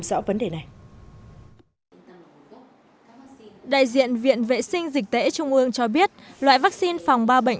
rõ vấn đề này đại diện viện vệ sinh dịch tễ trung ương cho biết loại vaccine phòng ba bệnh